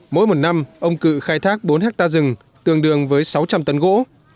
mỗi một năm ông cự khai thác bốn hectare rừng tương đương với sáu trăm linh tấn gỗ